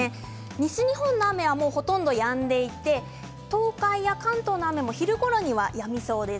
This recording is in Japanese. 西日本の雨はほとんどやんでいて東海や関東の雨も昼ごろにはやみそうです。